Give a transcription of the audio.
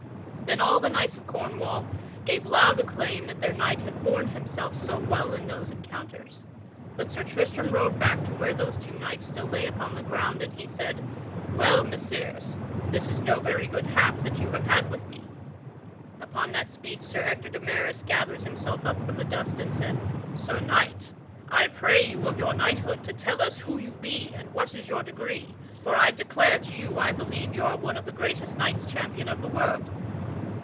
Then all the knights of Cornwall gave loud acclaim that their knight had borne himself so well in those encounters. But Sir Tristram rode back to where those two knights still lay upon the ground, and he said: "Well, Messires, this is no very good hap that you have had with me." Upon that speech Sir Ector de Maris gathered himself up from the dust and said: "Sir Knight, I pray you of your knighthood to tell us who you be and what is your degree, for I declare to you, I believe you are one of the greatest knights champion of the world."